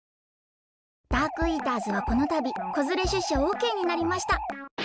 ダークイーターズはこのたびこづれしゅっしゃオッケーになりました。